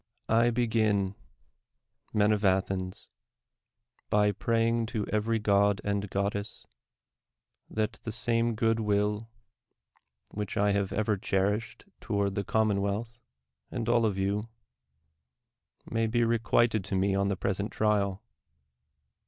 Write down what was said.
I BEGIN, men of Athens, bj' praying to every ^od and goddess, that the same good will, which I have ever cherished toward the commonwealth and all of you, may be requited to me on the pres ent trial.